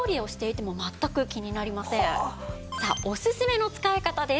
さあおすすめの使い方です。